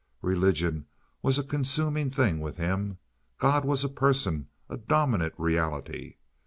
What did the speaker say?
Religion was a consuming thing with him. God was a person, a dominant reality.